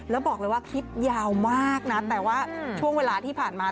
แล้วบอกเลยว่าคลิปยาวมากนะแต่ว่าช่วงเวลาที่ผ่านมา